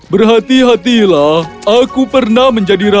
berhati hatilah aku pernah menjadi raja